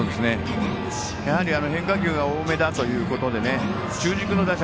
やはり、変化球が多めだということで中軸の打者